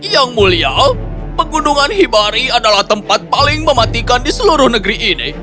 yang mulia pegunungan hibari adalah tempat paling mematikan di seluruh negeri ini